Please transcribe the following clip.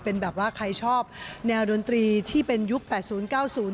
เป็นแบบว่าใครชอบแนวดนตรีที่เป็นยุคแปดศูนย์เก้าศูนย์